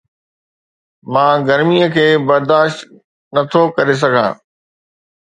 مان گرميءَ کي برداشت نٿو ڪري سگهان